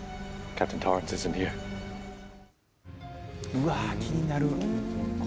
うわあ、気になる。